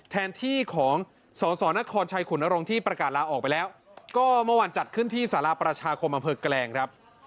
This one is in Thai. แทนที่ของสสนครชัยขุนนรงค์ที่ประกาศลาออกไปแล้วก็เมื่อวานจัดขึ้นที่สาราประชาคมอำเภอแกลงครับ